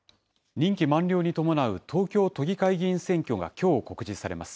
任期満了に伴う東京都議会議員選挙がきょう告示されます。